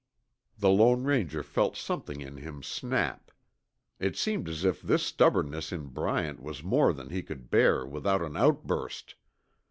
The Lone Ranger felt something in him snap. It seemed as if this stubbornness in Bryant was more than he could bear without an outburst!